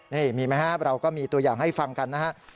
นี่มีไหมครับเราก็มีตัวอย่างให้ฟังกันนะฮะ